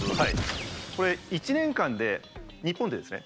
これ１年間で日本でですね